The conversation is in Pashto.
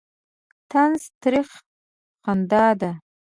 طنز ترخه خندا ده.